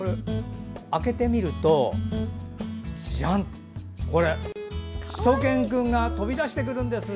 開けてみると、しゅと犬くんが飛び出してくるんです。